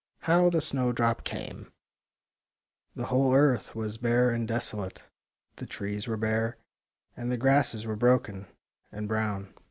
HOW THE SNOWDROP CAME The whole earth was bare and desolate. The trees were bare, and the grasses were broken and brown.